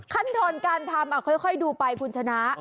ขั้นตอนการทำค่อยดูไปคุณชนะ